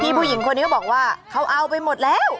ผู้หญิงคนนี้ก็บอกว่าเขาเอาไปหมดแล้ว